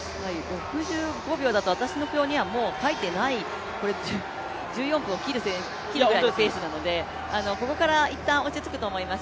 ６５秒だと、私の表には書いていない、１４分を切るぐらいのペースなので、ここから一旦落ち着くと思います。